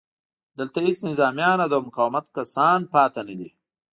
دلته هېڅ نظامیان او د مقاومت کسان پاتې نه دي